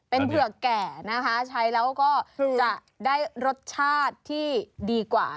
เป็นเผือกแก่นะคะใช้แล้วก็จะได้รสชาติที่ดีกว่า